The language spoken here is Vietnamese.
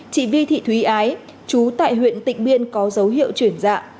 chị vi thị thúy ái chú tại huyện tịnh biên có dấu hiệu chuyển dạ